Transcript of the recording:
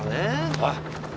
おい。